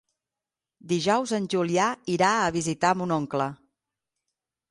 Dijous en Julià irà a visitar mon oncle.